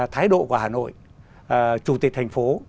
thái độ của hà nội chủ tịch thành phố